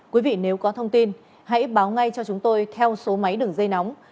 quý vị nếu có thông tin hãy báo ngay cho chúng tôi theo số máy đường dây nóng sáu mươi chín